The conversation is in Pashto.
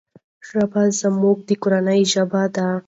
ژبه زموږ د کورنی ژبه ده.